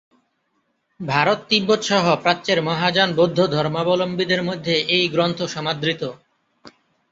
ভারত, তিব্বত সহ প্রাচ্যের মহাযান বৌদ্ধ ধর্মাবলম্বীদের মধ্যে এই গ্রন্থ সমাদৃত।